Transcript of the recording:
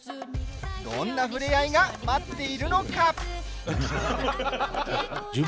どんなふれあいが待っているのか。